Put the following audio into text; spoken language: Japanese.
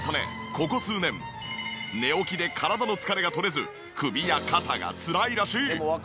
ここ数年寝起きで体の疲れが取れず首や肩がつらいらしい。